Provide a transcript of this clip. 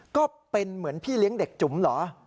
ก็เป็นเหมือนพี่เลี้ยงเด็กจุ๋มเหรอ